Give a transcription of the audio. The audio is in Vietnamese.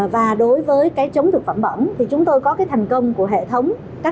và đối với cái chống thực phẩm bẩn thì chúng tôi có cái thành công của hệ thống các đội quản lý an toàn